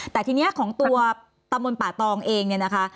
แต่ทีนี้ของตัวตำบลป่าตองเองเนี่ยนะคะ